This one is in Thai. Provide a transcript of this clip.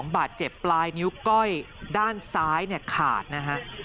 บาดเจ็บปลายนิ้วก้อยด้านซ้ายขาดนะฮะ